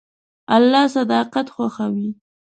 الله صداقت خوښوي.